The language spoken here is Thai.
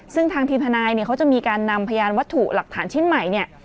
ซึ่งทางทีมทนายเนี่ยเขาจะมีการนำพยานวัตถุหลักฐานชิ้นใหม่เนี่ย